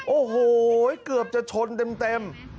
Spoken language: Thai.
โอ้โหเกือบจะชนเต็ม